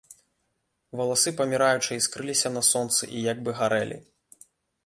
Валасы паміраючай іскрыліся на сонцы і як бы гарэлі.